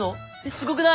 すごくない！？